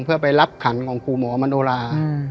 เพื่อไปรับขันของครูหมอมโนรา